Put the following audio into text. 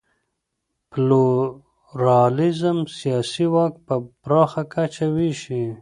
پلورالېزم سیاسي واک په پراخه کچه وېشي.